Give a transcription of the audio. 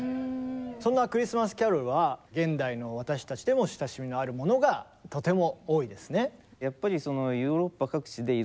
そんな「クリスマスキャロル」は現代の私たちでも親しみのあるものがとても多いですね。